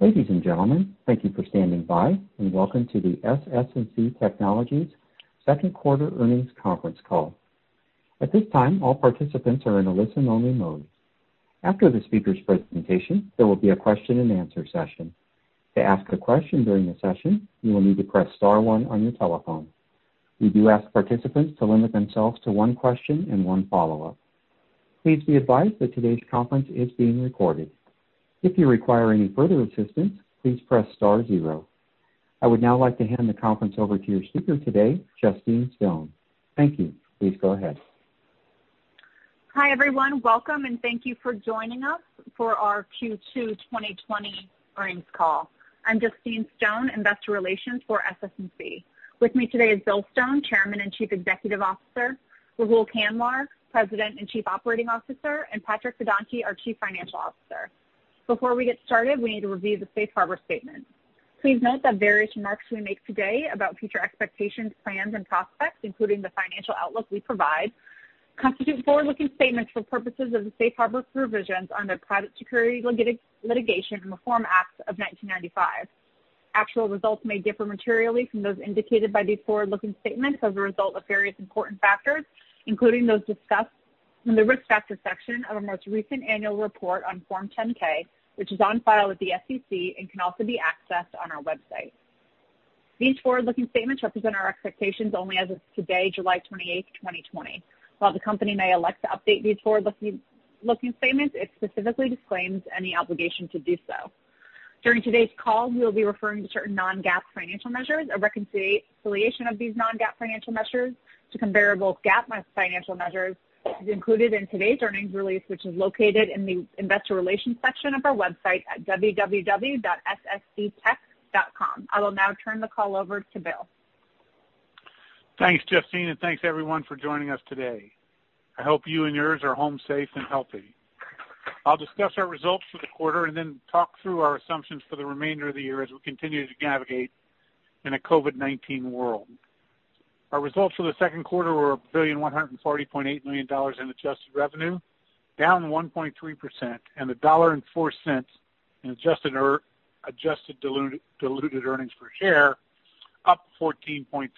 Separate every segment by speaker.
Speaker 1: Ladies and gentlemen, thank you for standing by, and welcome to the SS&C Technologies second-quarter earnings conference call. At this time, all participants are in a listen-only mode. After the speaker's presentation, there will be a question-and-answer session. To ask a question during the session, you will need to press star one on your telephone. We do ask participants to limit themselves to one question and one follow-up. Please be advised that today's conference is being recorded. If you require any further assistance, please press star zero. I would now like to hand the conference over to your speaker today, Justine Stone. Thank you. Please go ahead.
Speaker 2: Hi, everyone. Welcome and thank you for joining us for our Q2 2020 earnings call. I'm Justine Stone, investor relations for SS&C. With me today is Bill Stone, Chairman and Chief Executive Officer, Rahul Kanwar, President and Chief Operating Officer, and Patrick Pedonti, our Chief Financial Officer. Before we get started, we need to review the safe harbor statement. Please note that various remarks we make today about future expectations, plans, and prospects, including the financial outlook we provide, constitute forward-looking statements for purposes of the safe harbor provisions under the Private Securities Litigation Reform Act of 1995. Actual results may differ materially from those indicated by these forward-looking statements as a result of various important factors, including those discussed in the Risk Factors section of our most recent annual report on Form 10-K, which is on file with the SEC and can also be accessed on our website. These forward-looking statements represent our expectations only as of today, July 28, 2020. While the company may elect to update these forward-looking statements, it specifically disclaims any obligation to do so. During today's call, we will be referring to certain non-GAAP financial measures. A reconciliation of these non-GAAP financial measures to comparable GAAP financial measures is included in today's earnings release, which is located in the investor relations section of our website at www.ssctech.com. I will now turn the call over to Bill.
Speaker 3: Thanks, Justine. Thanks, everyone, for joining us today. I hope you and yours are home safe and healthy. I'll discuss our results for the quarter and then talk through our assumptions for the remainder of the year as we continue to navigate in a COVID-19 world. Our results for the second quarter were $1,140.8 million in adjusted revenue, down 1.3%, and $1.04 in adjusted diluted earnings per share, up 14.3%.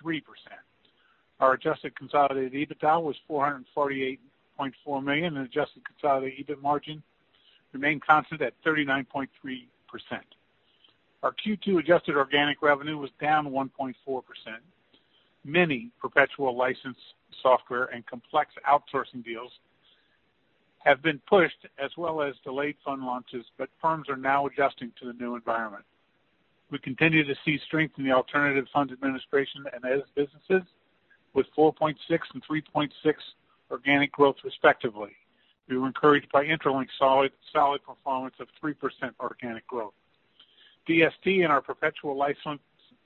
Speaker 3: Our adjusted consolidated EBITDA was $448.4 million, and adjusted consolidated EBITDA margin remained constant at 39.3%. Our Q2 adjusted organic revenue was down 1.4%. Many perpetual license software and complex outsourcing deals have been pushed as well as delayed fund launches; firms are now adjusting to the new environment. We continue to see strength in the alternative funds administration and as businesses with 4.6% and 3.6% organic growth, respectively. We were encouraged by Intralinks' solid performance of 3% organic growth. DST and our perpetual license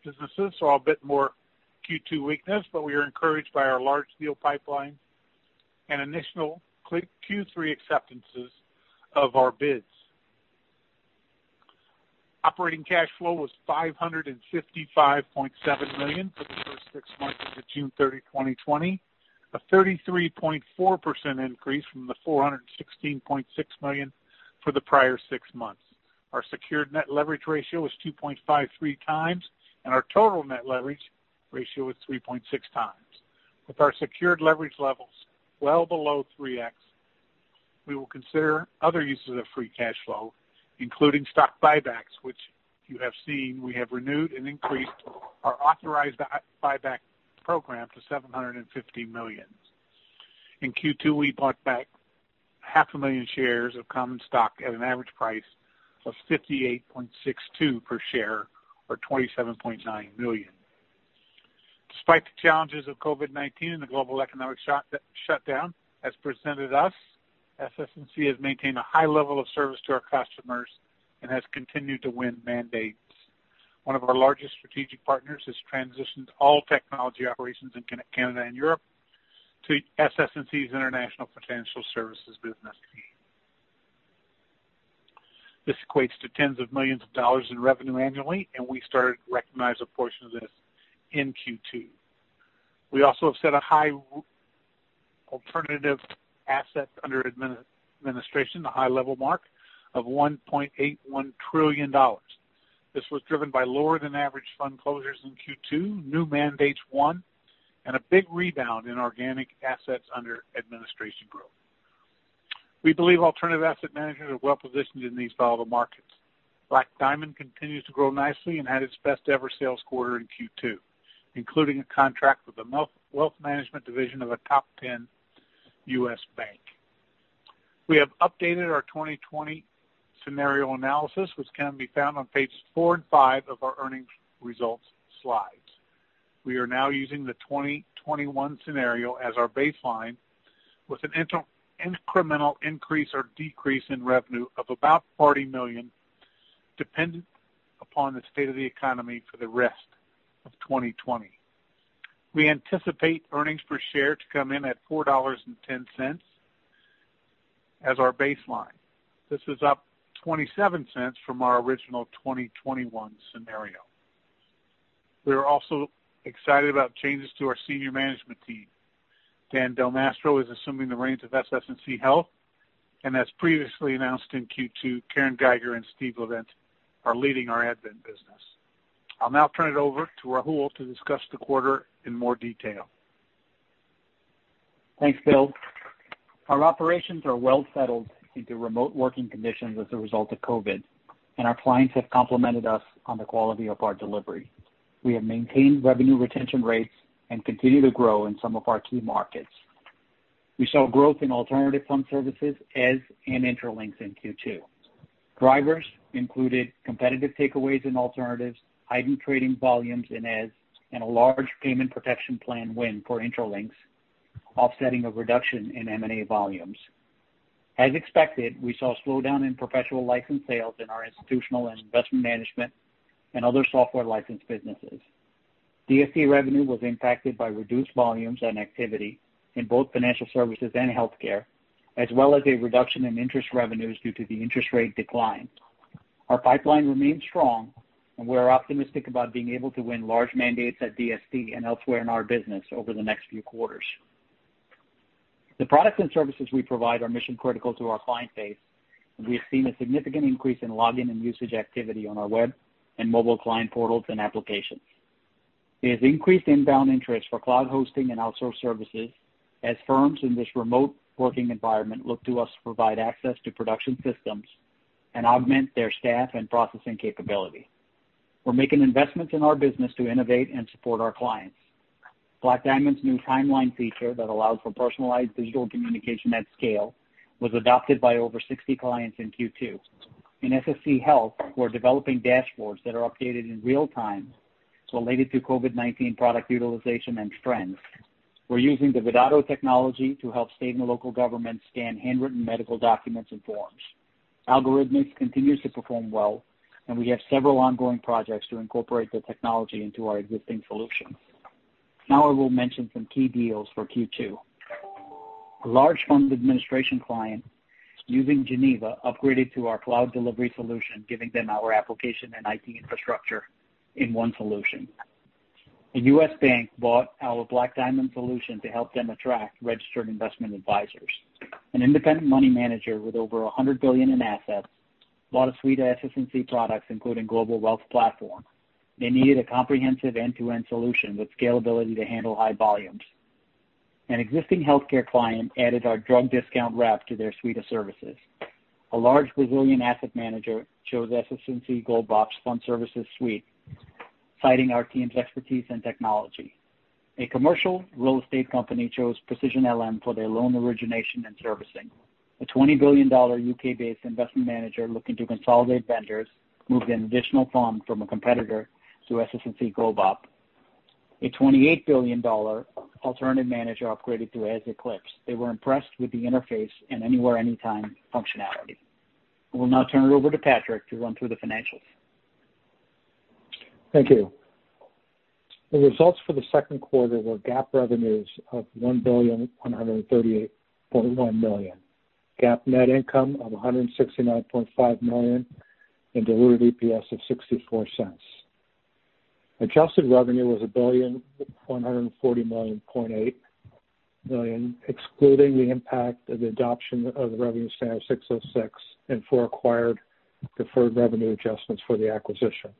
Speaker 3: businesses saw a bit more Q2 weakness, but we are encouraged by our large deal pipeline and initial Q3 acceptances of our bids. Operating cash flow was $555.7 million for the first six months of June 30, 2020, a 33.4% increase from the $416.6 million for the prior six months. Our secured net leverage ratio was 2.53x, and our total net leverage ratio was 3.6x. With our secured leverage levels well below 3x, we will consider other uses of free cash flow, including stock buybacks, which you have seen we have renewed and increased our authorized buyback program to $750 million. In Q2, we bought back 500,000 shares of common stock at an average price of $58.62 per share, or $27.9 million. Despite the challenges of COVID-19 and the global economic shutdown has presented us, SS&C has maintained a high level of service to our customers and has continued to win mandates. One of our largest strategic partners has transitioned all technology operations in Canada and Europe to SS&C's International Financial Data Services business. This equates to tens of millions of dollars in revenue annually, and we started to recognize a portion of this in Q2. We have also set a high alternative assets under administration, a high-level mark of $1.81 trillion. This was driven by lower-than-average fund closures in Q2, new mandates won, and a big rebound in organic assets under administration growth. We believe alternative asset managers are well-positioned in these volatile markets. Black Diamond continues to grow nicely and had its best-ever sales quarter in Q2, including a contract with the wealth management division of a top 10 U.S. bank. We have updated our 2020 scenario analysis, which can be found on pages four and five of our earnings results slides. We are now using the 2021 scenario as our baseline, with an incremental increase or decrease in revenue of about $40 million, dependent upon the state of the economy for the rest of 2020. We anticipate earnings per share to come in at $4.10 as our baseline. This is up $0.27 from our original 2021 scenario. We are also excited about changes to our senior management team. Dan DelMastro is assuming the reins of SS&C Health, and as previously announced in Q2, Karen Geiger and Steve Leivent are leading our Advent business. I'll now turn it over to Rahul to discuss the quarter in more detail.
Speaker 4: Thanks, Bill. Our operations are well-settled into remote working conditions as a result of COVID-19, and our clients have complimented us on the quality of our delivery. We have maintained revenue retention rates and continue to grow in some of our key markets. We saw growth in alternative fund services, Eze, and Intralinks in Q2. Drivers included competitive takeaways in alternatives, heightened trading volumes in Eze, and a large Paycheck Protection Program win for Intralinks, offsetting a reduction in M&A volumes. As expected, we saw a slowdown in perpetual license sales in our institutional and investment management and other software license businesses. DST revenue was impacted by reduced volumes and activity in both financial services and healthcare, as well as a reduction in interest revenues due to the interest rate decline. Our pipeline remains strong, and we are optimistic about being able to win large mandates at DST and elsewhere in our business over the next few quarters. The products and services we provide are mission-critical to our client base, and we have seen a significant increase in login and usage activity on our web and mobile client portals and applications. There's increased inbound interest for cloud hosting and outsourced services as firms in this remote-working environment look to us to provide access to production systems and augment their staff and processing capability. We're making investments in our business to innovate and support our clients. Black Diamond's new timeline feature that allows for personalized visual communication at scale, was adopted by over 60 clients in Q2. In SS&C Health, we're developing dashboards that are updated in real time related to COVID-19 product utilization and trends. We're using the Vidado technology to help state and local governments scan handwritten medical documents and forms. Algorithmics continues to perform well, and we have several ongoing projects to incorporate the technology into our existing solutions. I will mention some key deals for Q2. A large fund administration client using Geneva upgraded to our cloud delivery solution, giving them our application and IT infrastructure in one solution. A U.S. bank bought our Black Diamond solution to help them attract registered investment advisors. An independent money manager with over 100 billion in assets bought a suite of SS&C products, including Global Wealth Platform. They needed a comprehensive end-to-end solution with scalability to handle high volumes. An existing healthcare client added our DomaniRx to their suite of services. A large Brazilian asset manager chose the SS&C Global Fund Services suite, citing our team's expertise in technology. A commercial real estate company chose Precision LM for their loan origination and servicing. A $20 billion U.K.-based investment manager looking to consolidate vendors moved an additional fund from a competitor to SS&C GlobeOp. A $28 billion alternative manager upgraded to Eze Eclipse. They were impressed with the interface and anywhere, anytime functionality. I will now turn it over to Patrick to run through the financials.
Speaker 5: Thank you. The results for the second quarter were GAAP revenues of $1,138.1 million, GAAP net income of $169.5 million, and diluted EPS of $0.64. Adjusted revenue was $1,140.8 million, excluding the impact of the adoption of the revenue standard 606 and for acquired deferred revenue adjustments for the acquisition.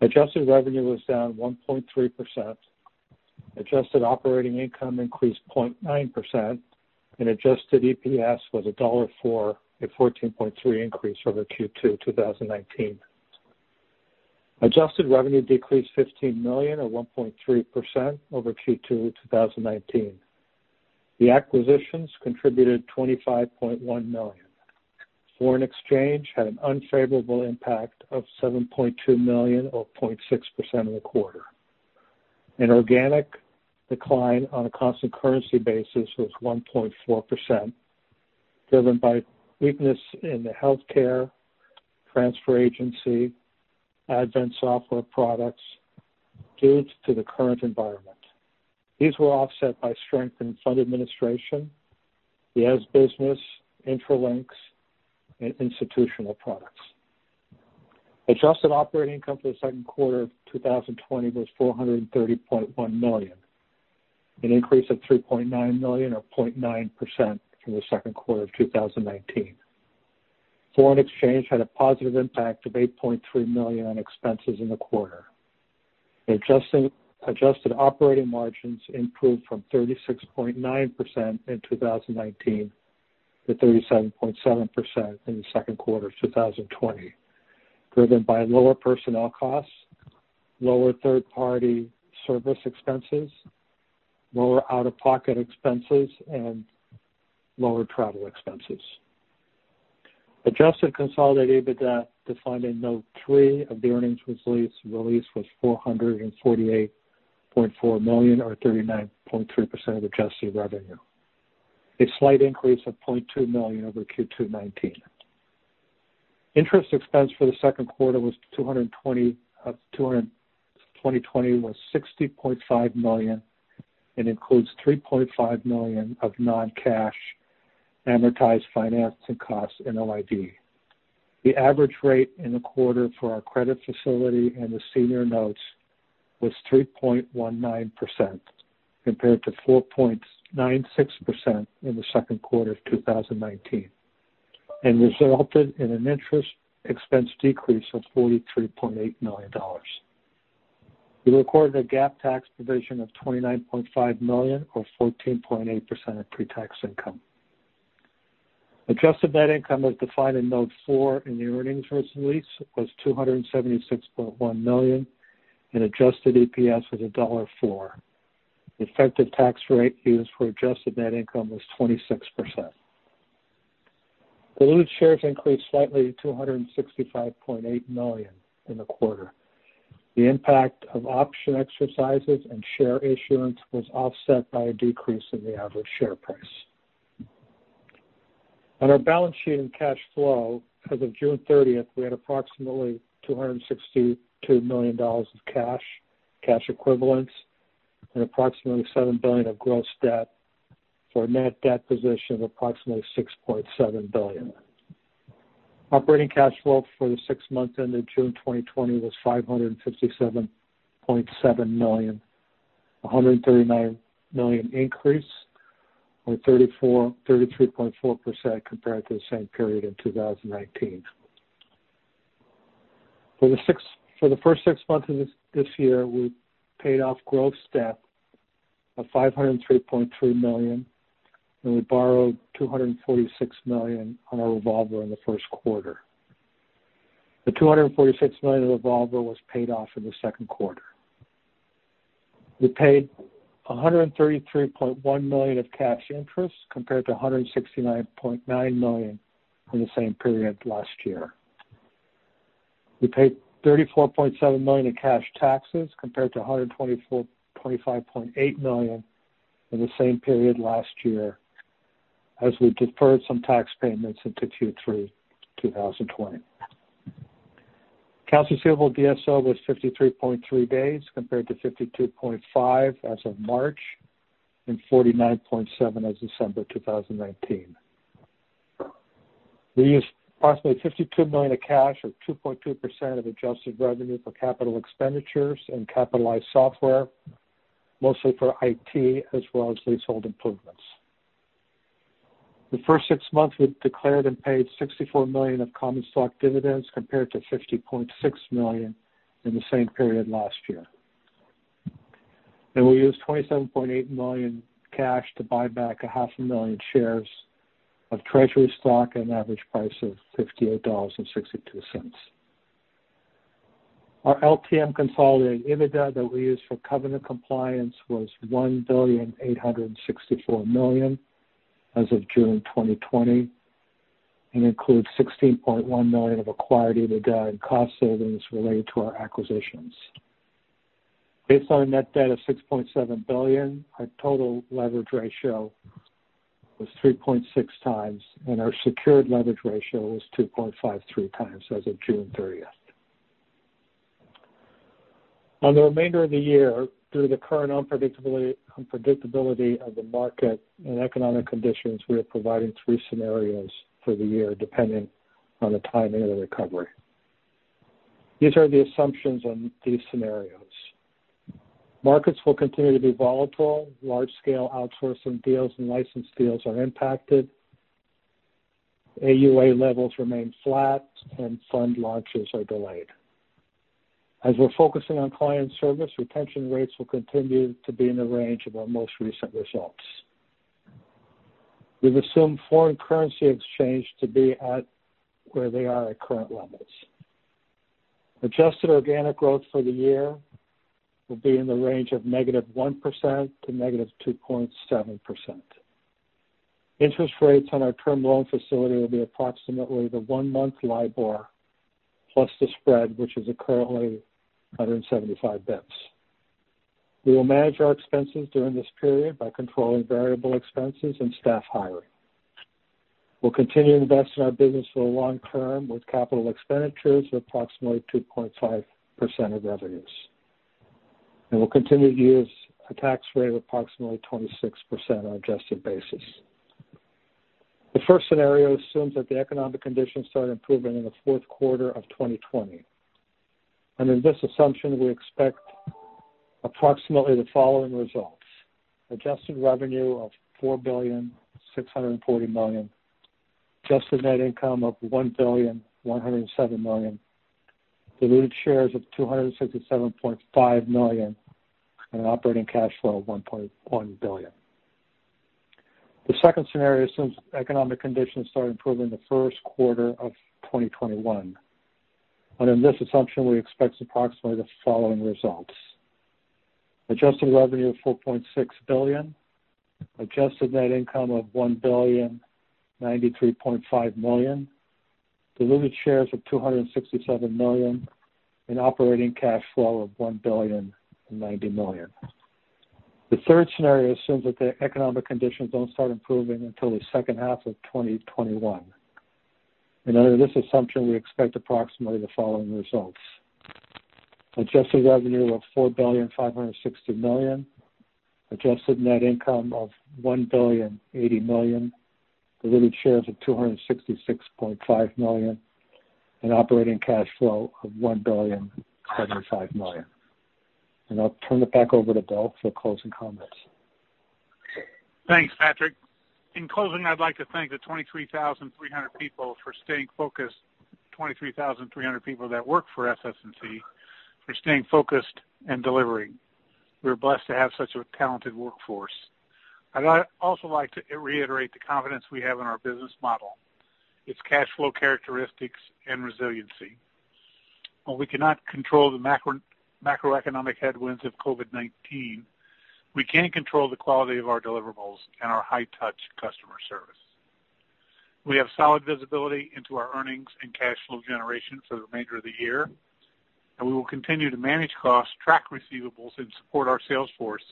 Speaker 5: Adjusted revenue was down 1.3%. Adjusted operating income increased 0.9%, and adjusted EPS was $1.04, a 14.3% increase over Q2 2019. Adjusted revenue decreased $15 million, or 1.3% over Q2 2019. The acquisitions contributed $25.1 million. Foreign exchange had an unfavorable impact of $7.2 million, or 0.6% of the quarter. An organic decline on a constant currency basis was 1.4%, driven by weakness in the healthcare transfer agency, Advent software products due to the current environment. These were offset by strength in fund administration, the Eze business, Intralinks, and institutional products. Adjusted operating income for the second quarter of 2020 was $430.1 million, an increase of $3.9 million or 0.9% from the second quarter of 2019. Foreign exchange had a positive impact of $8.3 million on expenses in the quarter. Adjusted operating margins improved from 36.9% in 2019 to 37.7% in the second quarter of 2020, driven by lower personnel costs, lower third-party service expenses, lower out-of-pocket expenses, and lower travel expenses. Adjusted consolidated EBITDA, defined in Note 3 of the earnings release, was $448.4 million or 39.3% of adjusted revenue. A slight increase of $0.2 million over Q2 2019. Interest expense for the second quarter of 2020 was $60.5 million and includes $3.5 million of non-cash amortized finance and costs in OID. The average rate in the quarter for our credit facility and the senior notes was 3.19%, compared to 4.96% in the second quarter of 2019, and resulted in an interest expense decrease of $43.8 million. We recorded a GAAP tax provision of $29.5 million, or 14.8% of pre-tax income. Adjusted net income, as defined in Note 4 in the earnings release, was $276.1 million, and adjusted EPS was $1.04. The effective tax rate used for adjusted net income was 26%. Diluted shares increased slightly to 265.8 million in the quarter. The impact of option exercises and share issuance was offset by a decrease in the average share price. On our balance sheet and cash flow, as of June 30th, we had approximately $262 million of cash equivalents, and approximately $7 billion of gross debt for a net debt position of approximately $6.7 billion. Operating cash flow for the six months ended June 2020 was $557.7 million, a $139 million increase, or 33.4%, compared to the same period in 2019. For the first six months of this year, we paid off gross debt of $503.3 million. We borrowed $246 million on our revolver in the first quarter. The $246 million of revolver was paid off in the second quarter. We paid $133.1 million of cash interest compared to $169.9 million in the same period last year. We paid $34.7 million in cash taxes compared to $125.8 million in the same period last year, as we deferred some tax payments into Q3 2020. Accounts receivable DSO was 53.3 days compared to 52.5 days as of March and 49.7 days as of December 2019. We used approximately $52 million of cash, or 2.2% of adjusted revenue, for capital expenditures and capitalized software, mostly for IT as well as leasehold improvements. The first six months, we declared and paid $64 million of common stock dividends, compared to $50.6 million in the same period last year. We used $27.8 million cash to buy back half a million shares of treasury stock at an average price of $58.62. Our LTM consolidated EBITDA that we use for covenant compliance was $1.864 billion as of June 2020 and includes $16.1 million of acquired EBITDA and cost savings related to our acquisitions. Based on a net debt of $6.7 billion, our total leverage ratio was 3.6x, and our secured leverage ratio was 2.53x as of June 30th. On the remainder of the year, due to the current unpredictability of the market and economic conditions, we are providing three scenarios for the year depending on the timing of the recovery. These are the assumptions on these scenarios. Markets will continue to be volatile. Large-scale outsourcing deals and license deals are impacted. AUA levels remain flat and fund launches are delayed. As we're focusing on client service, retention rates will continue to be in the range of our most recent results. We've assumed foreign currency exchange to be at where they are at current levels. Adjusted organic growth for the year will be in the range of -1% to -2.7%. Interest rates on our term loan facility will be approximately the one-month LIBOR plus the spread, which is currently 175 basis points. We will manage our expenses during this period by controlling variable expenses and staff hiring. We'll continue to invest in our business for the long term with capital expenditures of approximately 2.5% of revenues. We'll continue to use a tax rate of approximately 26% on an adjusted basis. The first scenario assumes that the economic conditions start improving in the fourth quarter of 2020. In this assumption, we expect approximately the following results. Adjusted revenue of $4.640 billion, adjusted net income of $1.107 billion, diluted shares of 267.5 million, and an operating cash flow of $1.1 billion. The second scenario assumes economic conditions start improving in the first quarter of 2021. In this assumption, we expect approximately the following results. Adjusted revenue of $4.6 billion, adjusted net income of $1,093.5 million, diluted shares of 267 million, and operating cash flow of $1.090 billion. The third scenario assumes that the economic conditions don't start improving until the second half of 2021. Under this assumption, we expect approximately the following results. Adjusted revenue of $4.56 billion. Adjusted net income of $1.08 billion. Diluted shares of 266.5 million, and an operating cash flow of $1.075 billion. I'll turn it back over to Bill for closing comments.
Speaker 3: Thanks, Patrick. In closing, I'd like to thank the 23,300 people for staying focused, 23,300 people who work for SS&C, for staying focused and delivering. We're blessed to have such a talented workforce. I'd also like to reiterate the confidence we have in our business model, its cash flow characteristics, and resiliency. While we cannot control the macroeconomic headwinds of COVID-19, we can control the quality of our deliverables and our high-touch customer service. We have solid visibility into our earnings and cash flow generation for the remainder of the year, and we will continue to manage costs, track receivables, and support our sales force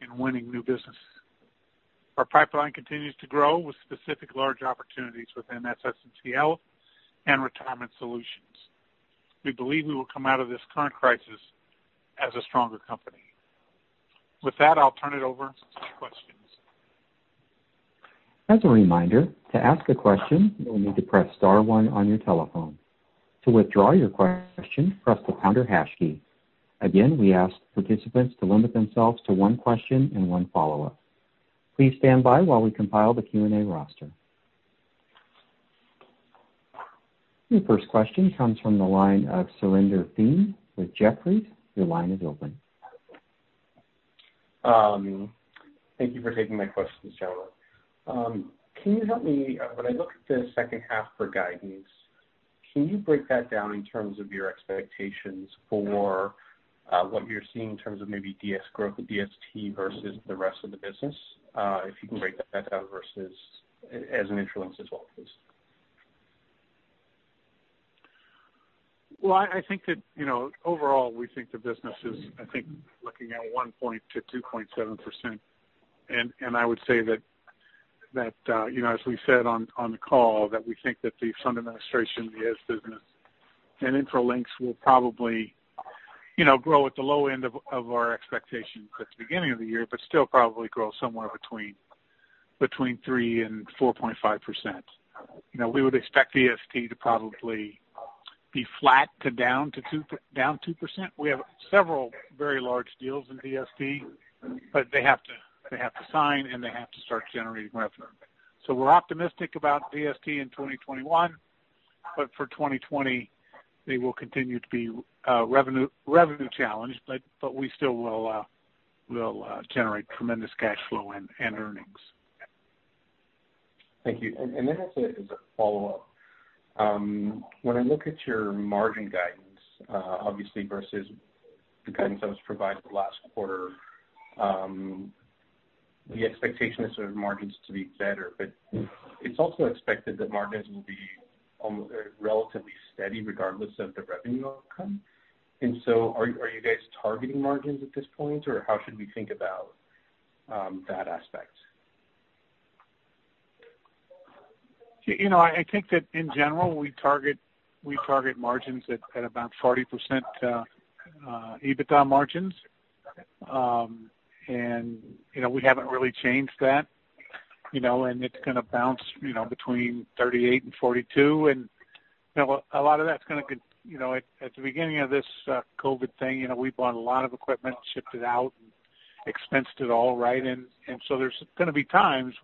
Speaker 3: in winning new business. Our pipeline continues to grow with specific large opportunities within SS&C Health and Retirement Solutions. We believe we will come out of this current crisis as a stronger company. With that, I'll turn it over to questions.
Speaker 1: As a reminder, to ask a question, you'll need to press star one on your telephone. To withdraw your question, press the pound or hash key. Again, we ask participants to limit themselves to one question and one follow-up. Please stand by while we compile the Q&A roster. Your first question comes from the line of Surinder Thind with Jefferies. Your line is open.
Speaker 6: Thank you for taking my questions, gentlemen. When I look at the second half for guidance, can you break that down in terms of your expectations for what you're seeing in terms of maybe DS growth with DST versus the rest of the business? If you can break that down versus as an Intralinks as well, please?
Speaker 3: Well, I think that overall, we think the business is looking at 1% to 2.7%. I would say that, as we said on the call, that we think that the fund administration, the IFDS business, and Intralinks will probably grow at the low end of our expectations at the beginning of the year, but still probably grow somewhere between 3% and 4.5%. We would expect DST to probably be flat to down 2%. We have several very large deals in DST, but they have to sign, and they have to start generating revenue. We're optimistic about DST in 2021, but for 2020, they will continue to be revenue challenged, but we still will generate tremendous cash flow and earnings.
Speaker 6: Thank you. As a follow-up, when I look at your margin guidance, obviously, versus the guidance that was provided for last quarter, the expectation is for the margins to be better, but it is also expected that margins will be relatively steady regardless of the revenue outcome. Are you guys targeting margins at this point, or how should we think about that aspect?
Speaker 3: I think that, in general, we target margins at about 40% EBITDA margins.
Speaker 6: Okay.
Speaker 3: We haven't really changed that. It's going to bounce between 38% and 42%. A lot of that, at the beginning of this COVID-19 thing, we bought a lot of equipment, shipped it out, and expensed it all, right? There's going to be times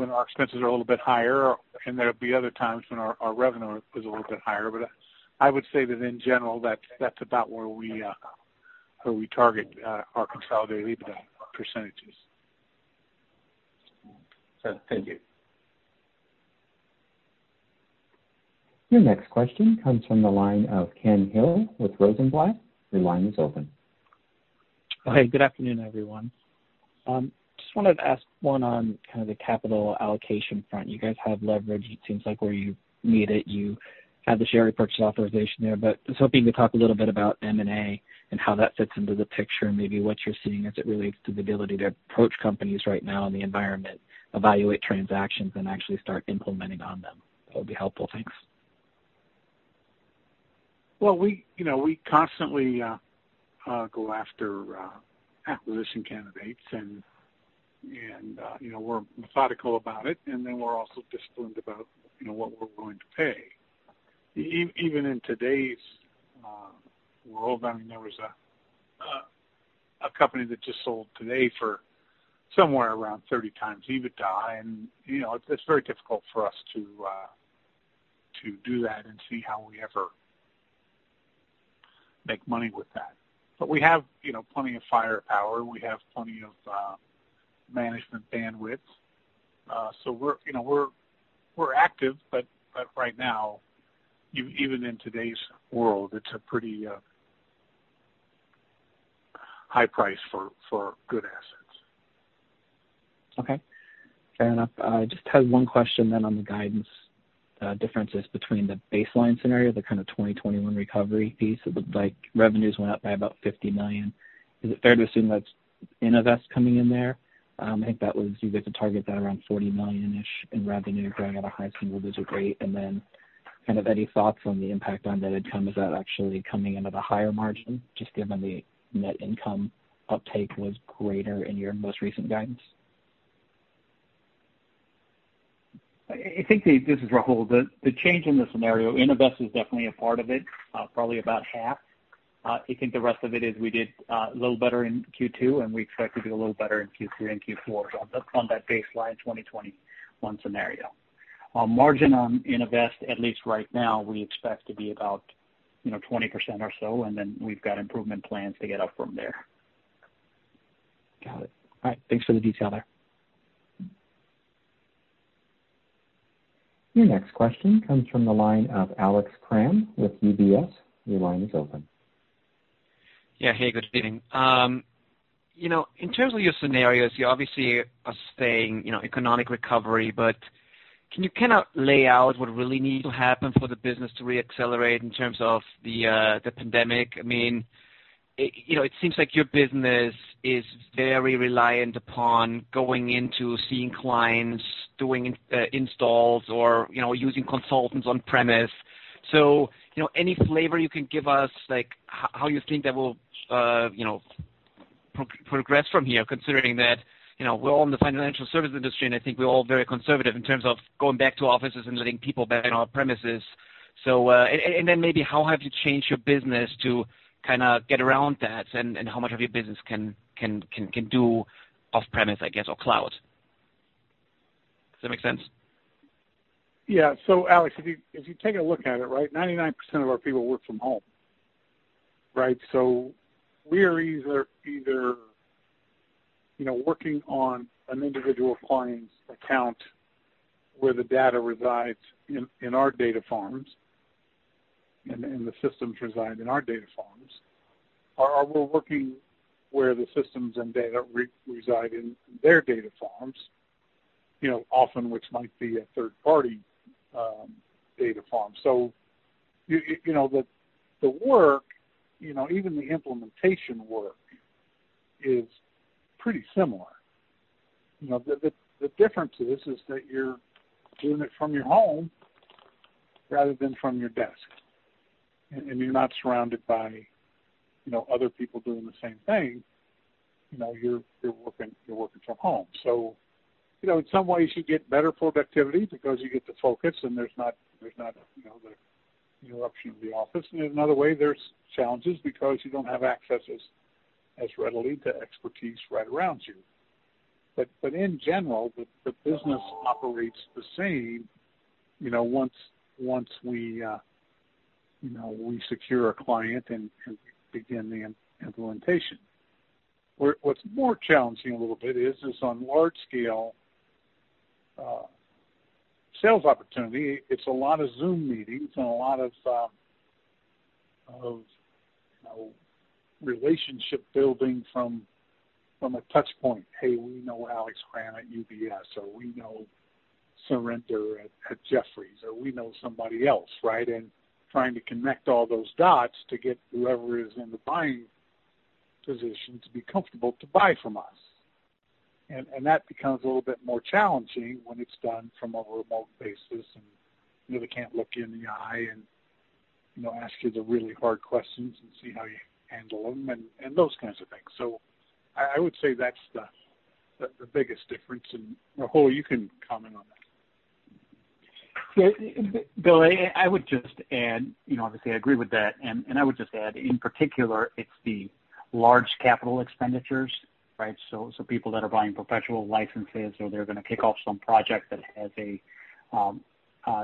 Speaker 3: when our expenses are a little bit higher, and there'll be other times when our revenue is a little bit higher. I would say that, in general, that's about where we target our consolidated EBITDA percentages.
Speaker 6: Thank you.
Speaker 1: Your next question comes from the line of Ken Hill with Rosenblatt. Your line is open.
Speaker 7: Hi, good afternoon, everyone. Just wanted to ask one on kind of the capital allocation front. You guys have leverage, it seems like, where you need it. You have the share repurchase authorization there. Just hoping to talk a little bit about M&A and how that fits into the picture, and maybe what you're seeing as it relates to the ability to approach companies right now in the environment, evaluate transactions, and actually start implementing on them. That would be helpful. Thanks.
Speaker 3: We constantly go after acquisition candidates, and we're methodical about it, and then we're also disciplined about what we're going to pay. Even in today's world, I mean, there was a company that just sold today for somewhere around 30x EBITDA, and it's very difficult for us to do that and see how we ever make money with that. We have plenty of firepower. We have plenty of management bandwidth. We're active, but right now, even in today's world, it's a pretty high price for good assets.
Speaker 7: Okay. Fair enough. I just had one question on the guidance differences between the baseline scenario, the kind of 2021 recovery piece. It looked like revenues went up by about $50 million. Is it fair to assume that's Innovest coming in there? I think that was, you guys had targeted that around $40 million-ish in revenue, growing at a high single-digit rate. Any thoughts on the impact on net income? Is that actually coming in at a higher margin, just given the net income uptake was greater in your most recent guidance?
Speaker 4: This is Rahul. The change in the scenario, Innovest is definitely a part of it, probably about half. I think the rest of it is we did a little better in Q2, and we expect to do a little better in Q3 and Q4 on that baseline 2021 scenario. Margin on Innovest, at least right now, we expect to be about 20% or so, and then we've got improvement plans to get up from there.
Speaker 7: Got it. All right. Thanks for the detail there.
Speaker 1: Your next question comes from the line of Alex Kramm with UBS. Your line is open.
Speaker 8: Yeah. Hey, good evening. In terms of your scenarios, you obviously are saying economic recovery. Can you lay out what really needs to happen for the business to re-accelerate in terms of the pandemic? It seems like your business is very reliant upon going into seeing clients, doing installs, or using consultants on-premises. Any flavor you can give us, like how you think that will progress from here, considering that we're all in the financial service industry, and I think we're all very conservative in terms of going back to offices and letting people back on our premises. Maybe how have you changed your business to get around that, and how much of your business can do off-premise, I guess, or cloud? Does that make sense?
Speaker 3: Alex, if you take a look at it, right, 99% of our people work from home. We are either working on an individual client's account, where the data resides in our data farms, and the systems reside in our data farms. We're working where the systems and data reside in their data farms, often which might be a third-party data farm. The work, even the implementation work, is pretty similar. The difference is that you're doing it from your home rather than from your desk, and you're not surrounded by other people doing the same thing. You're working from home. In some ways, you get better productivity because you get to focus, and there's not the interruption of the office. In another way, there's challenges because you don't have access as readily to expertise right around you. In general, the business operates the same, once we secure a client and begin the implementation. What's more challenging a little bit is on a large-scale sales opportunity, it's a lot of Zoom meetings and a lot of relationship-building from a touchpoint. Hey, we know Alex Kramm at UBS, or we know Surinder at Jefferies, or we know somebody else, right? Trying to connect all those dots to get whoever is in the buying position to be comfortable to buy from us. That becomes a little bit more challenging when it's done from a remote basis, and you really can't look you in the eye and ask you the really hard questions and see how you handle them and those kinds of things. I would say that's the biggest difference. Rahul, you can comment on that.
Speaker 4: Bill, I would just add, obviously, I agree with that, and I would just add, in particular, it's the large capital expenditures. People that are buying perpetual licenses, or they're going to kick off some project that has a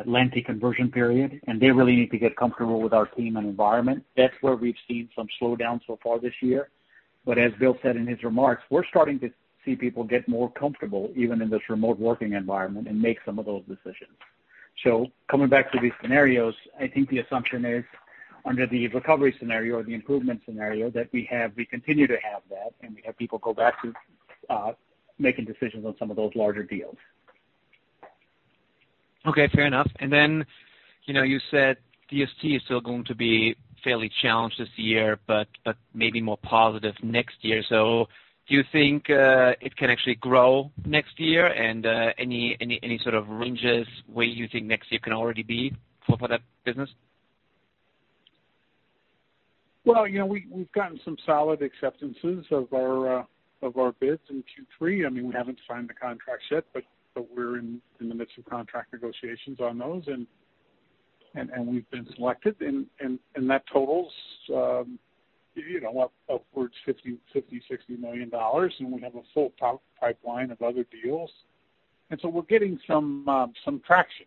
Speaker 4: lengthy conversion period, and they really need to get comfortable with our team and environment. That's where we've seen some slowdown so far this year. As Bill said in his remarks, we're starting to see people get more comfortable, even in this remote working environment, and make some of those decisions. Coming back to these scenarios, I think the assumption is under the recovery scenario or the improvement scenario that we continue to have that, and we have people go back to making decisions on some of those larger deals.
Speaker 8: Okay, fair enough. You said DST is still going to be fairly challenged this year, but maybe more positive next year. Do you think it can actually grow next year? Any sort of ranges where you think next year can already be for that business?
Speaker 3: Well, we've gotten some solid acceptances of our bids in Q3. We haven't signed the contracts yet, but we're in the midst of contract negotiations on those, and we've been selected, and that totals upwards $50 million-$60 million, and we have a full pipeline of other deals. We're getting some traction.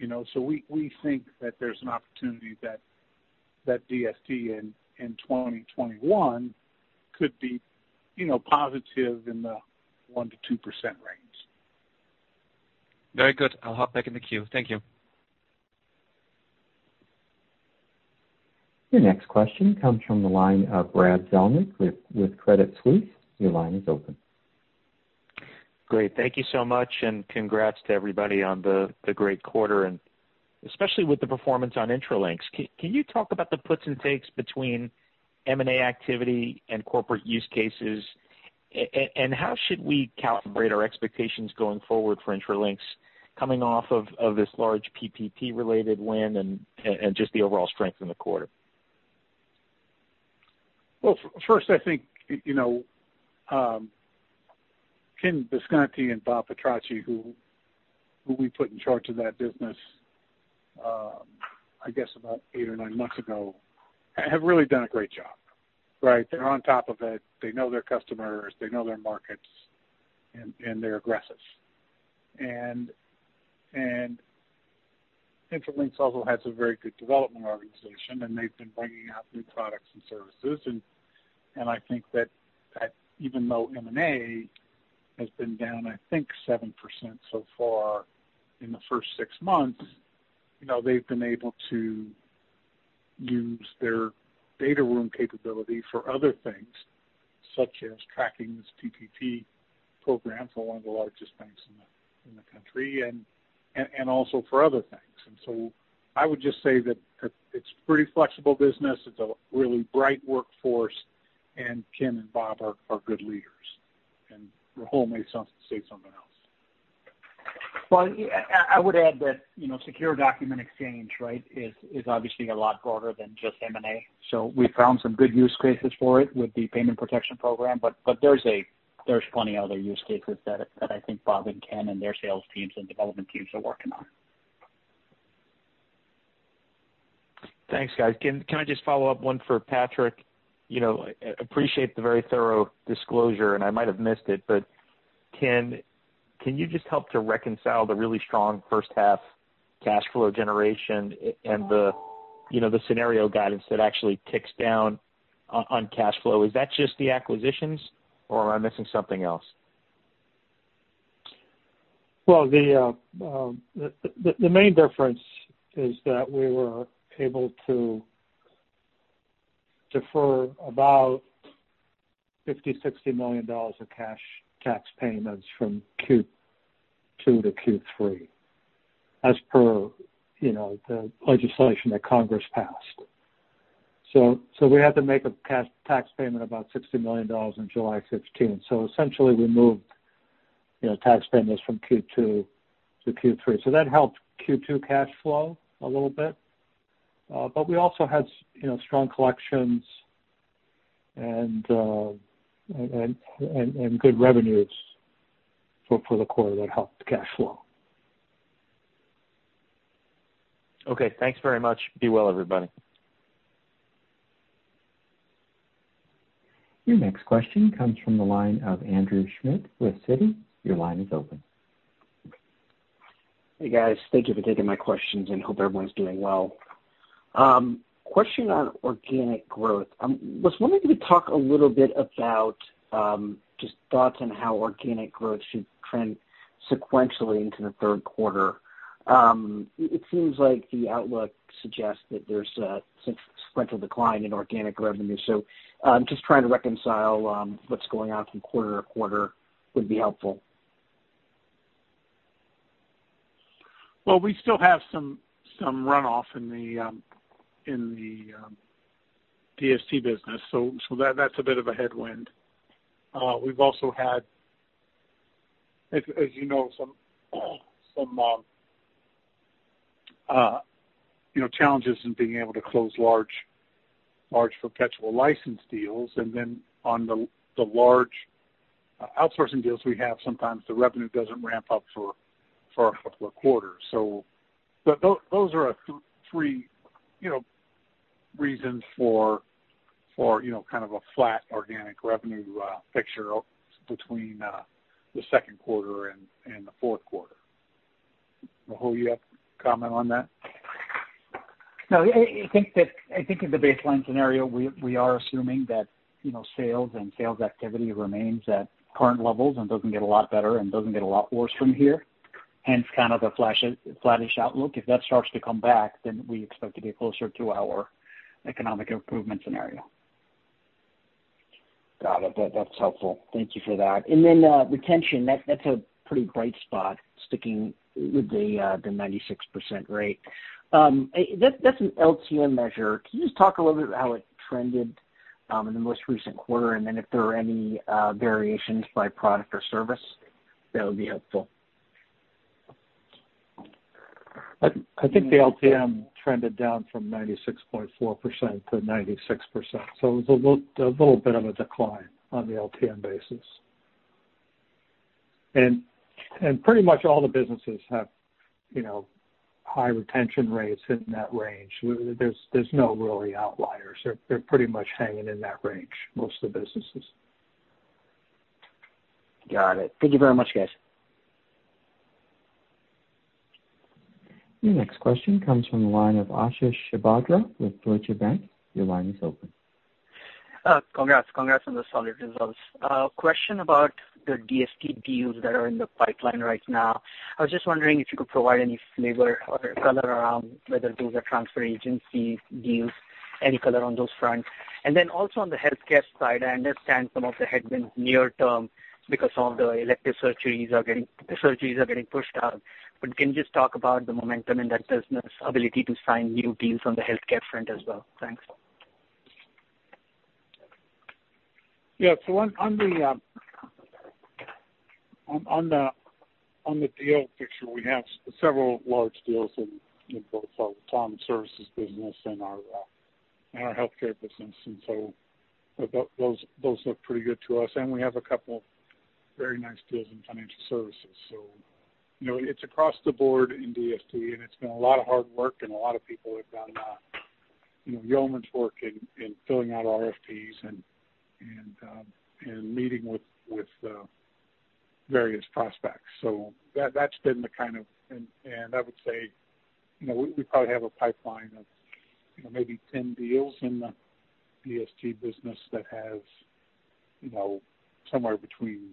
Speaker 3: We think that there's an opportunity that DST in 2021 could be positive in the 1%-2% range.
Speaker 8: Very good. I'll hop back in the queue. Thank you.
Speaker 1: Your next question comes from the line of Brad Zelnick with Credit Suisse. Your line is open.
Speaker 9: Great. Thank you so much, and congrats to everybody on the great quarter, and especially with the performance on Intralinks. Can you talk about the puts and takes between M&A activity and corporate use cases? How should we calibrate our expectations going forward for Intralinks coming off of this large PPP-related win and just the overall strength in the quarter?
Speaker 3: Well, first, I think, Ken Bisconti and Bob Petrocchi, who we put in charge of that business, I guess about eight or nine months ago, have really done a great job, right? They're on top of it. They know their customers, they know their markets, and they're aggressive. Intralinks also has a very good development organization, and they've been bringing out new products and services. I think that even though M&A has been down, I think 7% so far in the first six months, they've been able to use their data room capability for other things, such as tracking this PPP program for one of the largest banks in the country, and also for other things. I would just say that it's a pretty flexible business. It's a really bright workforce, and Ken and Bob are good leaders. Rahul may say something else.
Speaker 4: Well, I would add that secure document exchange is obviously a lot broader than just M&A. We found some good use cases for it with the Paycheck Protection Program. There's plenty of other use cases that I think Bob and Ken and their sales teams and development teams are working on.
Speaker 9: Thanks, guys. Can I just follow up one for Patrick? Appreciate the very thorough disclosure, and I might have missed it, but can you just help to reconcile the really strong first-half cash flow generation and the scenario guidance that actually ticks down on cash flow? Is that just the acquisitions, or am I missing something else?
Speaker 5: Well, the main difference is that we were able to defer about $50 million, $60 million of cash tax payments from Q2 to Q3, as per the legislation that Congress passed. We had to make a tax payment of about $60 million in July 15th. Essentially, we moved tax payments from Q2 to Q3. That helped Q2 cash flow a little bit. We also had strong collections and good revenues for the quarter that helped cash flow.
Speaker 9: Okay. Thanks very much. Be well, everybody.
Speaker 1: Your next question comes from the line of Andrew Schmidt with Citi. Your line is open.
Speaker 10: Hey, guys. Thank you for taking my questions, and hope everyone's doing well. Question on organic growth. I was wondering if you could talk a little bit about just thoughts on how organic growth should trend sequentially into the third quarter. It seems like the outlook suggests that there's a sequential decline in organic revenue. Just trying to reconcile what's going on from quarter to quarter would be helpful.
Speaker 3: We still have some runoff in the DST business, that's a bit of a headwind. We've also had, as you know, some challenges in being able to close large perpetual license deals. On the large outsourcing deals we have, sometimes the revenue doesn't ramp up for a couple of quarters. Those are three reasons for a kind of flat organic revenue picture between the second quarter and the fourth quarter. Rahul, you have a comment on that?
Speaker 4: No, I think in the baseline scenario, we are assuming that sales and sales activity remain at current levels and don't get a lot better and don't get a lot worse from here, hence kind of a flattish outlook. If that starts to come back, we expect to be closer to our economic improvement scenario.
Speaker 10: Got it. That's helpful. Thank you for that. Retention, that's a pretty bright spot, sticking with the 96% rate. That's an LTM measure. Can you just talk a little bit about how it trended in the most recent quarter, and then if there are any variations by product or service? That would be helpful.
Speaker 5: I think the LTM trended down from 96.4% to 96%, so it was a little bit of a decline on the LTM basis. Pretty much all the businesses have high retention rates in that range. There's no really outliers. They're pretty much hanging in that range, most of the businesses.
Speaker 10: Got it. Thank you very much, guys.
Speaker 1: Your next question comes from the line of Ashish Sabadra with Deutsche Bank. Your line is open.
Speaker 11: Congrats on the solid results. A question about the DST deals that are in the pipeline right now. I was just wondering if you could provide any flavor or color around whether those are transfer agency deals. Any color on those fronts. Also on the healthcare side, I understand some of the headwinds near term because some of the elective surgeries are getting pushed out. Can you just talk about the momentum in that business, the ability to sign new deals on the healthcare front as well? Thanks.
Speaker 3: On the deal picture, we have several large deals in both our [Tom Services] business and our healthcare business; those look pretty good to us. We have a couple of very nice deals in financial services. It's across the board in DST, and it's been a lot of hard work, and a lot of people have done yeoman's work in filling out RFPs and meeting with various prospects. That's been the kind of I would say we probably have a pipeline of maybe 10 deals in the DST business that has somewhere between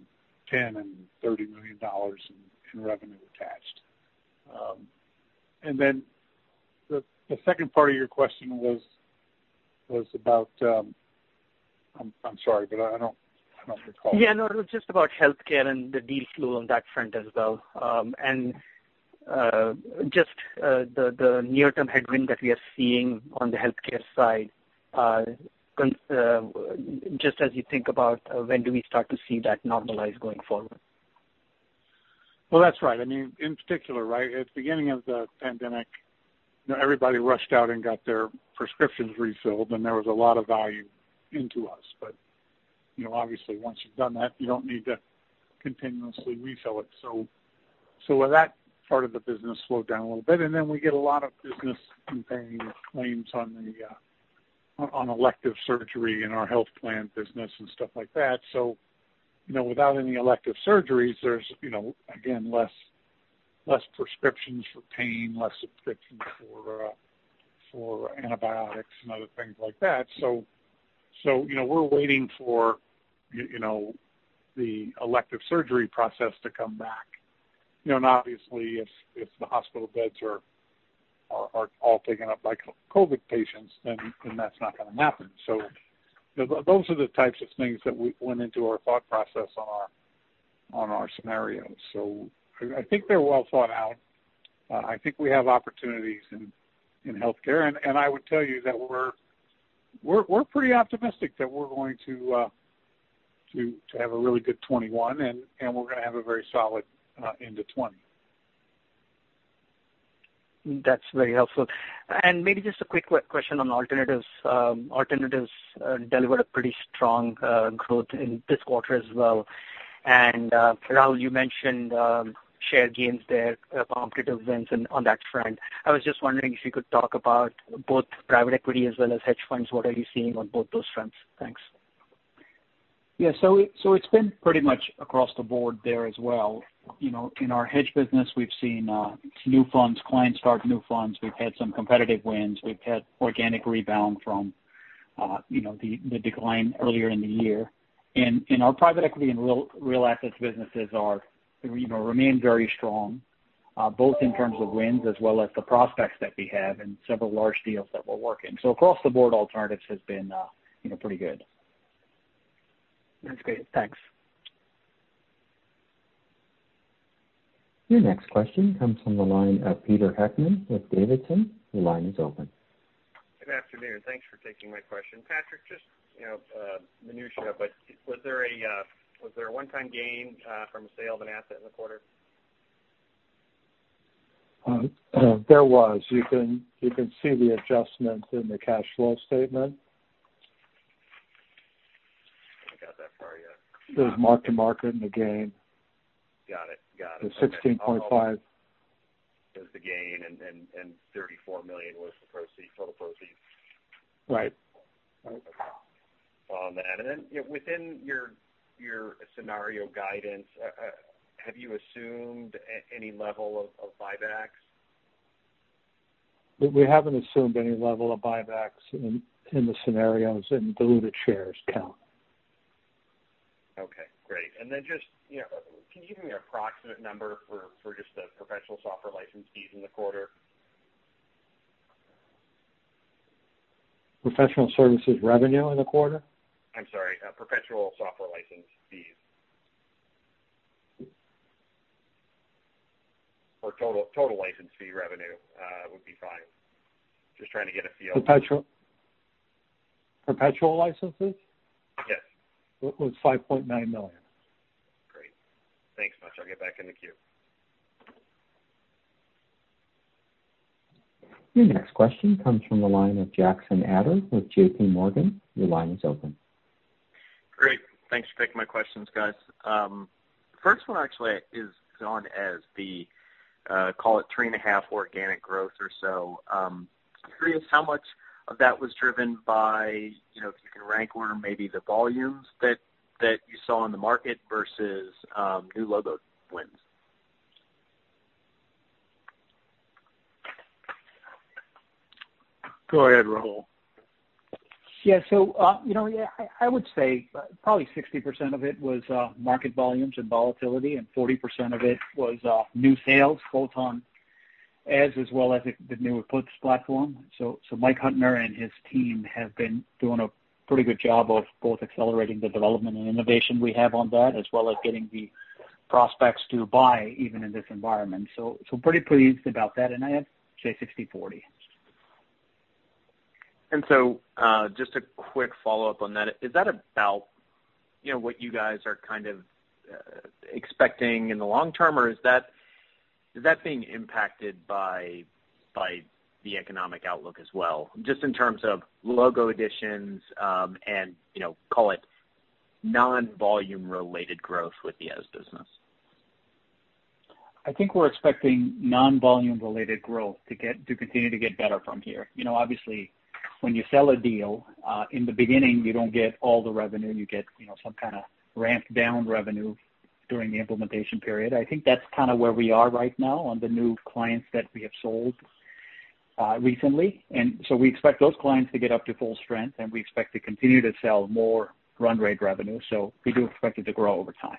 Speaker 3: $10 million and $30 million in revenue attached. The second part of your question was about, I'm sorry, but I don't recall.
Speaker 11: Yeah, no, it was just about healthcare and the deal flow on that front as well. Just the near-term headwind that we are seeing on the healthcare side, just as you think about when do we start to see that normalize going forward?
Speaker 3: Well, that's right. I mean, in particular, at the beginning of the pandemic, everybody rushed out and got their prescriptions refilled, and there was a lot of value into us. Obviously, once you've done that, you don't need to continuously refill it. That part of the business slowed down a little bit, and then we got a lot of business in paying claims on elective surgery in our health plan business and stuff like that. Without any elective surgeries, there's, again, less prescriptions for pain, less prescriptions for antibiotics, and other things like that. We're waiting for the elective surgery process to come back. Obviously, if the hospital beds are all taken up by COVID patients, then that's not going to happen. Those are the types of things that went into our thought process on our scenarios. I think they're well thought out. I think we have opportunities in healthcare. I would tell you that we're pretty optimistic that we're going to have a really good 2021, and we're going to have a very solid end of 2020.
Speaker 11: That's very helpful. Maybe just a quick question on Alternatives. Alternatives delivered a pretty strong growth in this quarter as well. Rahul, you mentioned share gains there, competitive wins on that front. I was just wondering if you could talk about both private equity as well as hedge funds. What are you seeing on both those fronts? Thanks.
Speaker 4: Yeah. It's been pretty much across the board there as well. In our hedge business, we've seen new funds, clients start new funds. We've had some competitive wins. We've had an organic rebound from the decline earlier in the year. Our private equity and real assets businesses remain very strong, both in terms of wins as well as the prospects that we have and several large deals that we're working. Across the board, alternatives has been pretty good.
Speaker 11: That's great. Thanks.
Speaker 1: Your next question comes from the line of Peter Heckmann with Davidson. Your line is open.
Speaker 12: Good afternoon. Thanks for taking my question. Patrick, just minutia, but was there a one-time gain from the sale of an asset in the quarter?
Speaker 5: There was. You can see the adjustment in the cash flow statement.
Speaker 12: I haven't got that far yet.
Speaker 5: There's mark to market and the gain.
Speaker 12: Got it.
Speaker 5: There's $16.5 million.
Speaker 12: There's the gain, and $34 million was the total proceeds.
Speaker 3: Right.
Speaker 12: Follow on that. Within your scenario guidance, have you assumed any level of buybacks?
Speaker 5: We haven't assumed any level of buybacks in the scenarios in the diluted shares count.
Speaker 12: Okay, great. Can you just give me an approximate number for just the professional software license fees in the quarter?
Speaker 5: Professional services revenue in the quarter?
Speaker 12: I'm sorry, professional software license fees. Total license fee revenue would be fine.
Speaker 5: Perpetual licenses?
Speaker 12: Yes.
Speaker 5: It was $5.9 million.
Speaker 12: Great. Thanks much. I'll get back in the queue.
Speaker 1: Your next question comes from the line of Jackson Ader with JPMorgan. Your line is open.
Speaker 13: Great. Thanks for taking my questions, guys. First one actually is on, as the call it, 3.5% organic growth or so. Curious how much of that was driven by, if you can rank order, maybe the volumes that you saw in the market versus new logo wins.
Speaker 3: Go ahead, Rahul.
Speaker 4: I would say probably 60% of it was market volumes and volatility, and 40% of it was new sales, both on as well as the newer puts platform. Mike Hutner and his team have been doing a pretty good job of both accelerating the development and innovation we have on that, as well as getting the prospects to buy even in this environment. Pretty pleased about that. I'd say 60/40.
Speaker 13: Just a quick follow-up on that. Is that about what you guys are kind of expecting in the long term, or is that being impacted by the economic outlook as well, just in terms of logo additions, and call it non-volume-related growth with the SaaS business?
Speaker 4: I think we're expecting non-volume-related growth to continue to get better from here. Obviously, when you sell a deal, in the beginning, you don't get all the revenue. You get some kind of ramped-down revenue during the implementation period. I think that's kind of where we are right now on the new clients that we have sold recently. We expect those clients to get up to full strength, and we expect to continue to sell more run-rate revenue. We do expect it to grow over time.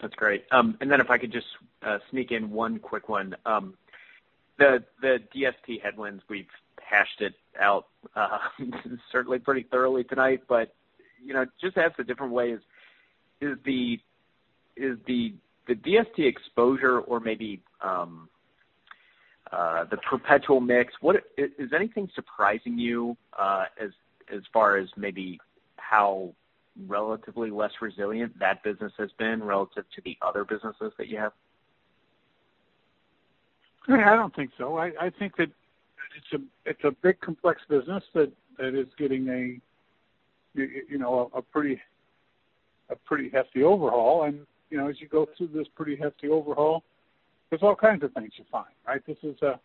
Speaker 13: That's great. If I could just sneak in one quick one. The DST headwinds, we've hashed it out certainly pretty thoroughly tonight, just to ask a different way, is the DST exposure, or maybe the perpetual mix, is anything surprising you as far as maybe how relatively less resilient that business has been relative to the other businesses that you have?
Speaker 3: I don't think so. I think that it's a big, complex business that is getting a pretty hefty overhaul. As you go through this pretty hefty overhaul, there's all kinds of things you find, right? This is a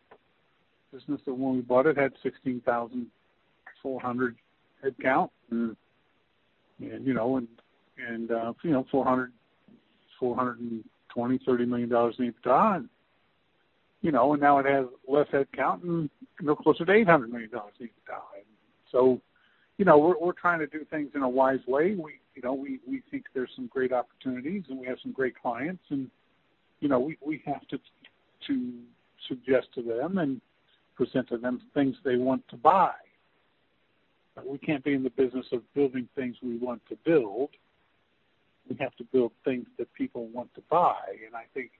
Speaker 3: business that when we bought it, had 16,400 headcount and $420 million, $30 million in EBITDA. Now it has less headcount and is closer to $800 million in EBITDA. We're trying to do things in a wise way. We think there's some great opportunities, and we have some great clients, and we have to suggest to them and present to them things they want to buy. We can't be in the business of building things we want to build. We have to build things that people want to buy, and I think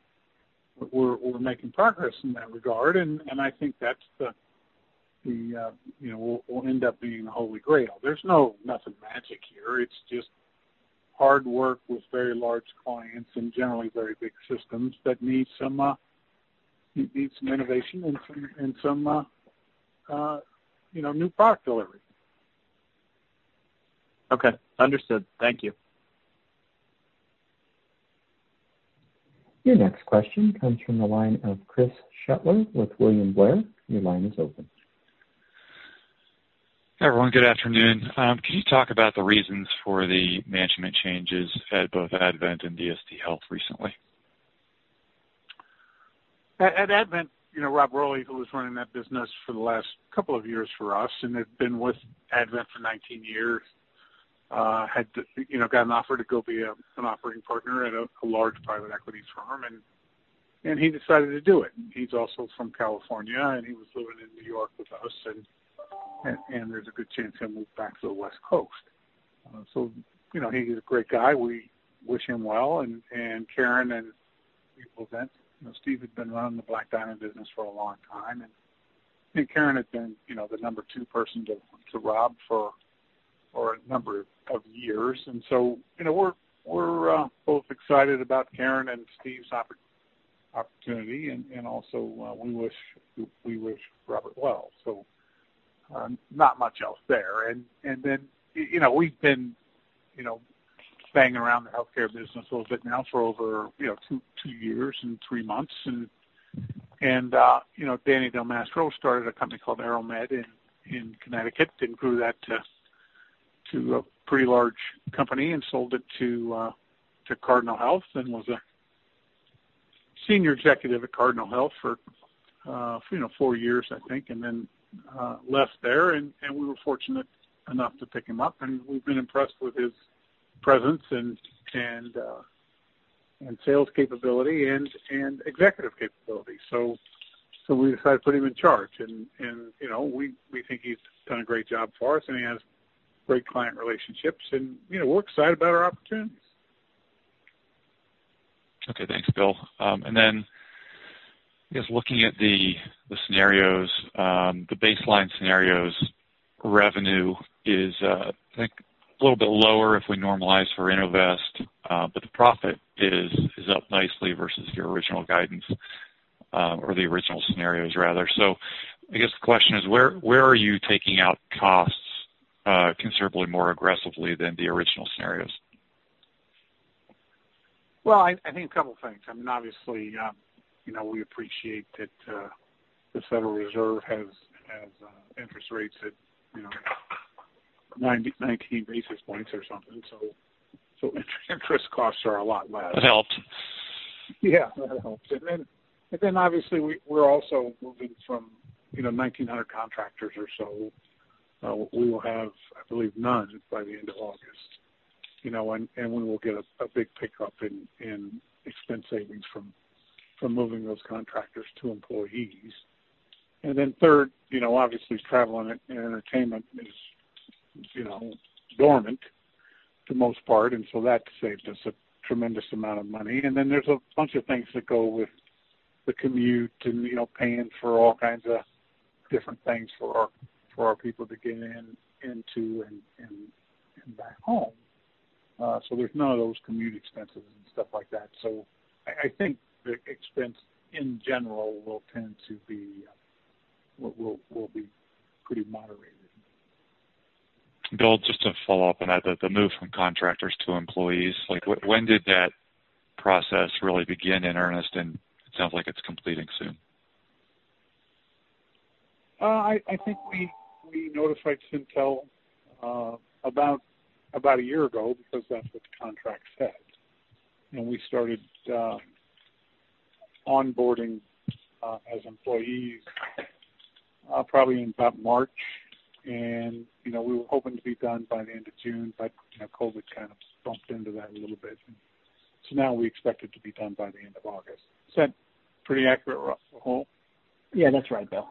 Speaker 3: we're making progress in that regard, and I think that's what will end up being the Holy Grail. There's nothing magic here. It's just hard work with very large clients and generally very big systems that need some innovation and some new product delivery.
Speaker 13: Okay, understood. Thank you.
Speaker 1: Your next question comes from the line of Chris Shutler with William Blair. Your line is open.
Speaker 14: Hi, everyone. Good afternoon. Can you talk about the reasons for the management changes at both Advent and DST Health recently?
Speaker 3: At Advent, Rob Roley, who was running that business for the last couple of years for us and had been with Advent for 19 years, had gotten an offer to go be an operating partner at a large private equity firm, and he decided to do it. He's also from California, and he was living in New York with us, and there's a good chance he'll move back to the West Coast. He's a great guy. We wish him well. Karen and Steve Leivent. Steve had been running the Black Diamond business for a long time, and I think Karen had been the number two person to Rob for a number of years. We're both excited about Karen and Steve's opportunity, and we also wish Robert well. Not much else there. We've been banging around the healthcare business a little bit now for over two years and three months. Danny DelMastro started a company called Aero-Med in Connecticut and grew that to a pretty large company and sold it to Cardinal Health, and was a senior executive at Cardinal Health for four years, I think, and then left there, and we were fortunate enough to pick him up, and we've been impressed with his presence and sales capability, and executive capability. We decided to put him in charge, and we think he's done a great job for us, and he has great client relationships, and we're excited about our opportunities.
Speaker 14: Okay, thanks, Bill. I guess looking at the baseline scenarios, revenue is, I think, a little bit lower if we normalize for Innovest, but the profit is up nicely versus your original guidance, or the original scenarios rather. I guess the question is, where are you taking out costs considerably more aggressively than the original scenarios?
Speaker 3: Well, I think a couple of things. Obviously, we appreciate that the Federal Reserve has interest rates at 19 basis points or something. Interest costs are a lot less.
Speaker 14: That helped.
Speaker 3: Yeah, that helps. Obviously, we're also moving from 1,900 contractors or so. We will have, I believe, none by the end of August. We will get a big pickup in expense savings from moving those contractors to employees. Third, obviously, travel and entertainment is dormant the most part, and so that saved us a tremendous amount of money. There's a bunch of things that go with the commute and paying for all kinds of different things for our people to get in and back home. There's none of those commute expenses and stuff like that. I think the expense, in general, will be pretty moderated.
Speaker 14: Bill, just to follow up on that, the move from contractors to employees, when did that process really begin in earnest? It sounds like it's completing soon.
Speaker 3: I think we notified Syntel about a year ago because that's what the contract said. We started onboarding as employees probably in about March. We were hoping to be done by the end of June, but COVID-19 kind of bumped into that a little bit. Now we expect it to be done by the end of August. Is that pretty accurate, Rahul?
Speaker 4: Yeah, that's right, Bill.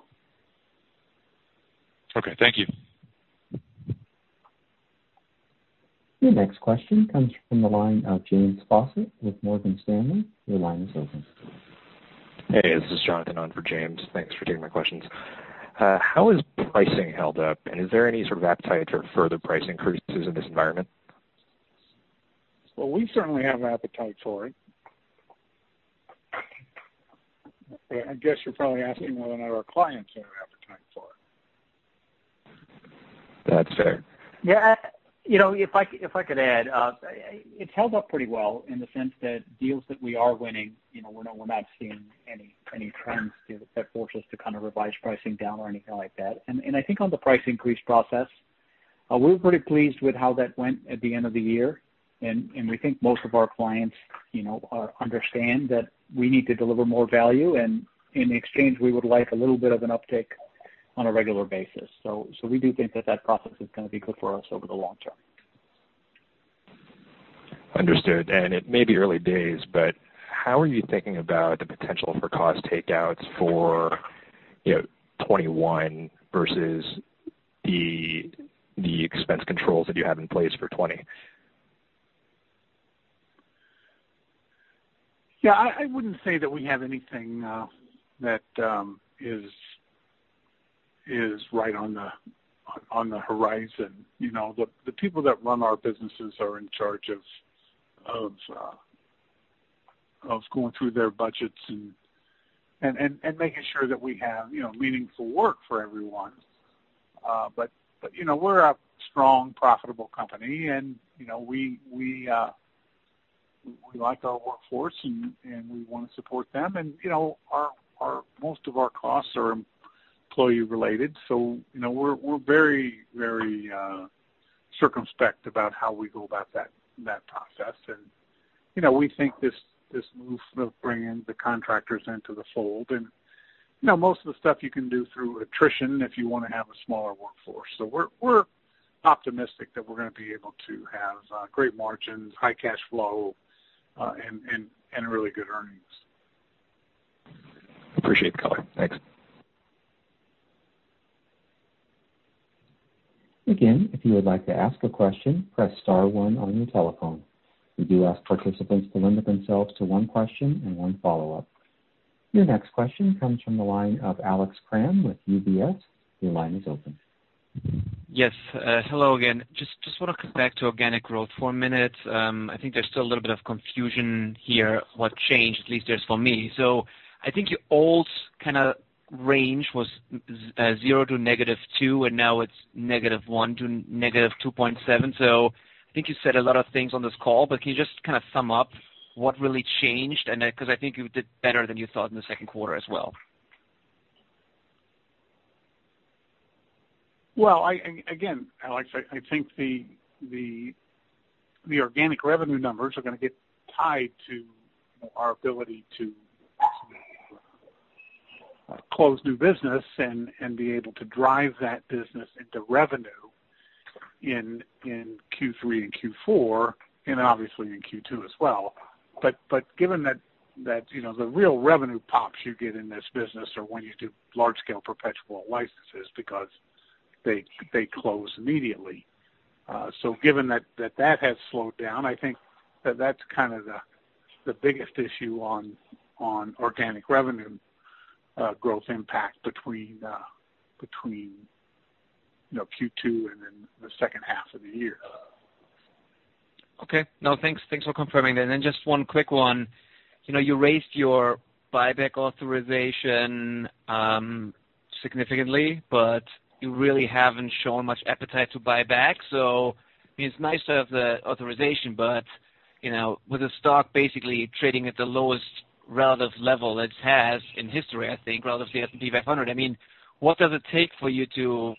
Speaker 14: Okay. Thank you.
Speaker 1: Your next question comes from the line of James Faucette with Morgan Stanley. Your line is open.
Speaker 15: Hey, this is Jonathan on for James. Thanks for taking my questions. How has pricing held up, and is there any sort of appetite for further price increases in this environment?
Speaker 3: Well, we certainly have an appetite for it. I guess you're probably asking whether or not our clients have an appetite for it.
Speaker 15: That's fair.
Speaker 4: Yeah. If I could add, it's held up pretty well in the sense that deals that we are winning, we're not seeing any trends that force us to kind of revise pricing down or anything like that. I think on the price increase process, we're pretty pleased with how that went at the end of the year, and we think most of our clients understand that we need to deliver more value, and in exchange, we would like a little bit of an uptick on a regular basis. We do think that that process is going to be good for us over the long term.
Speaker 15: Understood. It may be early days, but how are you thinking about the potential for cost takeouts for 2021 versus the expense controls that you have in place for 2020?
Speaker 3: Yeah, I wouldn't say that we have anything that is right on the horizon. The people who run our businesses are in charge of going through their budgets and making sure that we have meaningful work for everyone. We're a strong, profitable company, and we like our workforce, and we want to support them. Most of our costs are employee-related, so we're very circumspect about how we go about that process. We think this move of bringing the contractors into the fold, and most of the stuff you can do through attrition, if you want to have a smaller workforce. We're optimistic that we're going to be able to have great margins, high cash flow, and really good earnings.
Speaker 15: Appreciate the color. Thanks.
Speaker 1: Again, if you would like to ask a question, press star one on your telephone. We do ask participants to limit themselves to one question and one follow-up. Your next question comes from the line of Alex Kramm with UBS. Your line is open.
Speaker 8: Yes. Hello again. Just want to come back to organic growth for a minute. I think there's still a little bit of confusion here, what changed, at least there is for me. I think your old kind of range was zero to -2, and now it's -1 to -2.7. I think you said a lot of things on this call, but can you just kind of sum up what really changed? Because I think you did better than you thought in the second quarter as well.
Speaker 3: Again, Alex, I think the organic revenue numbers are going to get tied to our ability to close new business and be able to drive that business into revenue in Q3 and Q4, and obviously in Q2 as well. Given that the real revenue pops you get in this business are when you do large-scale perpetual licenses because they close immediately. Given that it has slowed down, I think that's kind of the biggest issue on organic revenue growth impact between Q2 and then the second half of the year.
Speaker 8: Okay. No, thanks for confirming that. Just one quick one. You raised your buyback authorization significantly, but you really haven't shown much appetite to buy back. It's nice to have the authorization, but with the stock basically trading at the lowest relative level it has in history, I think, relative to the S&P 500, what does it take for you to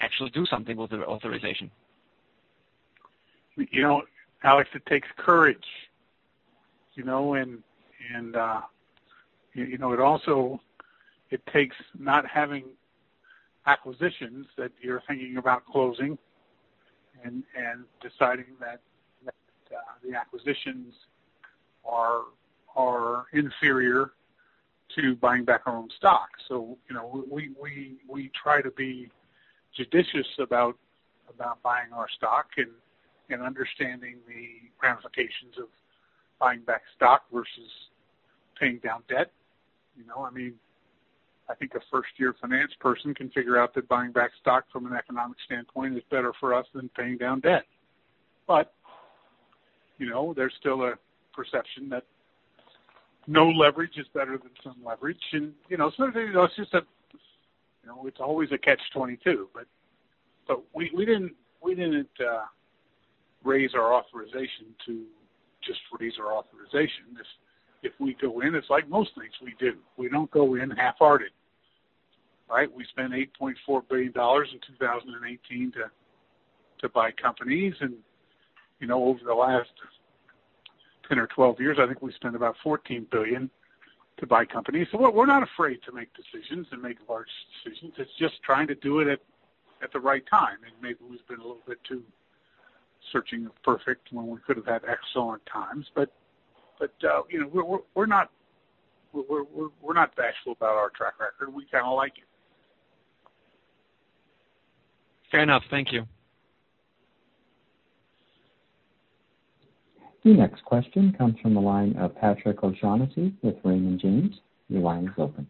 Speaker 8: actually do something with the authorization?
Speaker 3: Alex, it takes courage. It also takes not having acquisitions that you're thinking about closing and deciding that the acquisitions are inferior to buying back our own stock. We try to be judicious about buying our stock and understanding the ramifications of buying back stock versus paying down debt. I think a first-year finance person can figure out that buying back stock from an economic standpoint is better for us than paying down debt. There's still a perception that no leverage is better than some leverage. Sometimes it's just that it's always a catch-22. We didn't raise our authorization just to raise our authorization. If we go in, it's like most things we do. We don't go in half-heartedly, right? We spent $8.4 billion in 2018 to buy companies. Over the last 10 or 12 years, I think we've spent about $14 billion to buy companies. We're not afraid to make decisions and make large decisions. It's just trying to do it at the right time. Maybe we've been a little bit too searching of perfect when we could have had excellent times. We're not bashful about our track record. We kind of like it.
Speaker 8: Fair enough. Thank you.
Speaker 1: The next question comes from the line of Patrick O'Shaughnessy with Raymond James. Your line is open.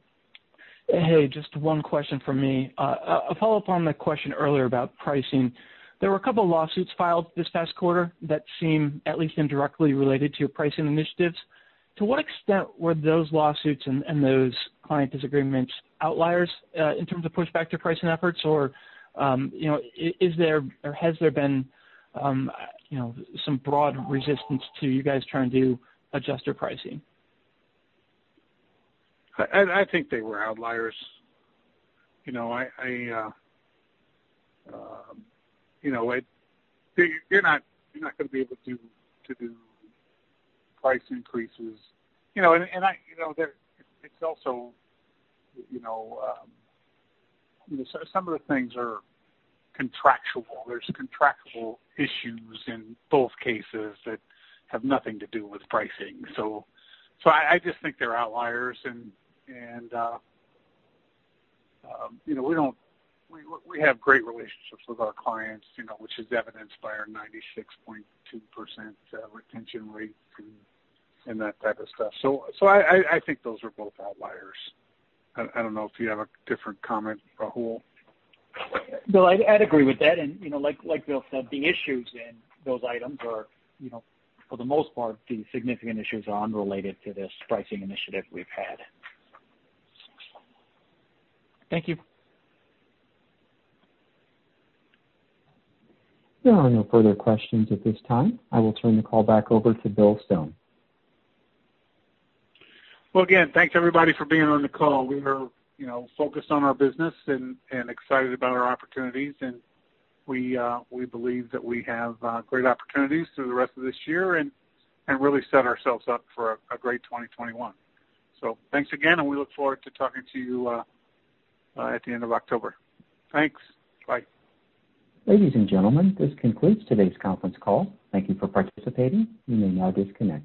Speaker 16: Hey, just one question from me. A follow-up on the question earlier about pricing. There were a couple of lawsuits filed this past quarter that seem at least indirectly related to your pricing initiatives. To what extent were those lawsuits and those client disagreements outliers, in terms of pushback to pricing efforts? Has there been some broad resistance to you guys trying to adjust your pricing?
Speaker 3: I think they were outliers. You're not going to be able to do price increases. Some of the things are contractual. There's contractual issues in both cases that have nothing to do with pricing. I just think they're outliers. We have great relationships with our clients, which is evidenced by our 96.2% retention rate and that type of stuff. I think those are both outliers. I don't know if you have a different comment, Rahul.
Speaker 4: No, I'd agree with that. Like Bill said, the issues in those items are, for the most part, the significant issues are unrelated to this pricing initiative we've had.
Speaker 16: Thank you.
Speaker 1: There are no further questions at this time. I will turn the call back over to Bill Stone.
Speaker 3: Well, again, thanks to everybody for being on the call. We are focused on our business and excited about our opportunities, and we believe that we have great opportunities through the rest of this year and really set ourselves up for a great 2021. Thanks again, and we look forward to talking to you at the end of October. Thanks. Bye.
Speaker 1: Ladies and gentlemen, this concludes today's conference call. Thank you for participating. You may now disconnect.